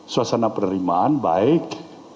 suasana penerimaan baik